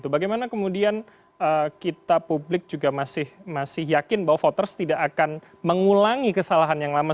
bagaimana kemudian kita publik juga masih yakin bahwa voters tidak akan mengulangi kesalahan yang lama